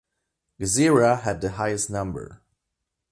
Gezira had the highest number.